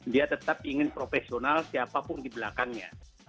dia tetap ingin profesional siapapun di belakangnya